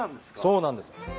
そうなんです。